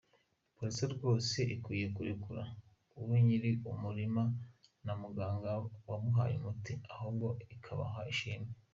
Police rwose ikwiye kurekura uwo nyiri umurima n’ umuganga wamuhaye umuti ahubwo ikabaha ishimwe!.